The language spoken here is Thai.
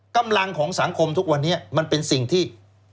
กำลังของสังคมทุกวันนี้มันเป็นสิ่งที่